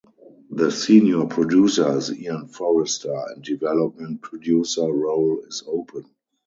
The senior producer is Ian Forrester and development producer role is open.